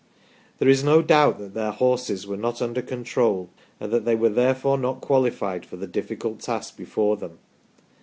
There is no doubt that their horses were not under control and that they were therefore not qualified for the difficult task before them.